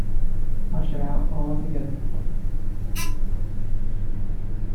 Wash it out altogether.